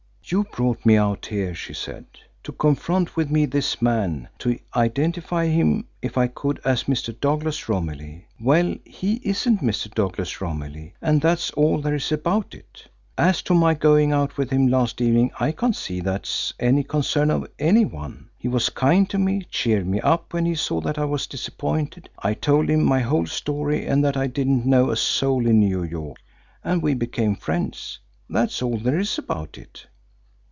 "You brought me out here," she said, "to confront me with this man to identify him, if I could, as Mr. Douglas Romilly. Well, he isn't Mr. Douglas Romilly, and that's all there is about it. As to my going out with him last evening, I can't see that that's any concern of any one. He was kind to me, cheered me up when he saw that I was disappointed; I told him my whole story and that I didn't know a soul in New York, and we became friends. That's all there is about it."